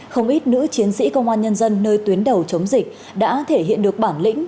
không ít nữ chiến sĩ công an nhân dân nơi tuyến đầu chống dịch đã thể hiện được bản lĩnh